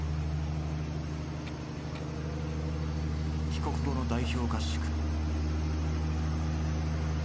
帰国後の代表合宿。